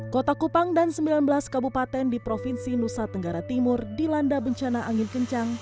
kota kupang dan sembilan belas kabupaten di provinsi nusa tenggara timur dilanda bencana angin kencang